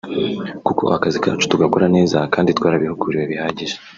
kuko akazi kacu tugakora neza kandi twarabihuguriwe bihagije